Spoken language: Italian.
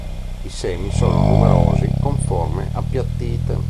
I semi sono numerosi con forme appiattite.